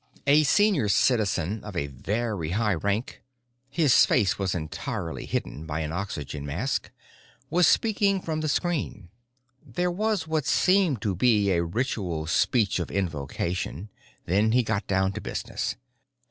A Senior Citizen of a very high rank (his face was entirely hidden by an oxygen mask) was speaking from the screen. There was what seemed to be a ritual speech of invocation, then he got down to business.